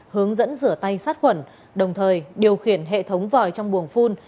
hướng dẫn rửa tay sát khuẩn đồng thời điều khiển hệ thống vòi trong buồng phun